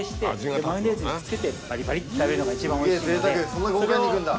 そんな豪快にいくんだ。